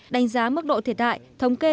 đánh giá mức độ thiệt hại thống kê